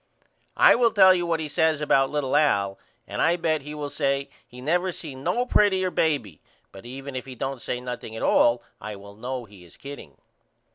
I will tell you what he says about little Al and I bet he will say he never seen no prettyer baby but even if he don't say nothing at all I will know he is kidding.